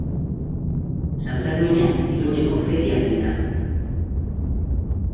Sanferminak Iruñeko feriak dira.